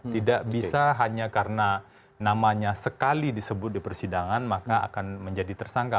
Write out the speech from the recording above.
tidak bisa hanya karena namanya sekali disebut di persidangan maka akan menjadi tersangka